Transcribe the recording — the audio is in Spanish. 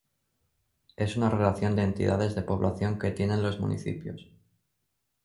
Es una relación de entidades de población que tienen los municipios.